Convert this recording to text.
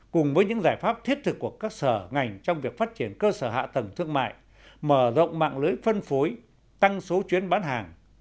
cùng với những giải pháp thiết thực của các sở ngành trong việc phát triển cơ sở hạ tầng thương mại mở rộng mạng lưới phân phối tăng số chuyến bán hàng